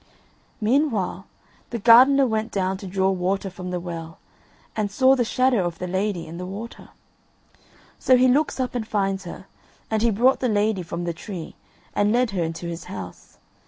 Meanwhile the gardener went down to draw water from the well and saw the shadow of the lady in the water. So he looks up and finds her, and he brought the lady from the tree, and led her into his house.